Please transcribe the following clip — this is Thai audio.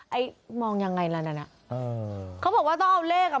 ไอ้มองยังไงล่ะนั่นน่ะเออเขาบอกว่าต้องเอาเลขอ่ะ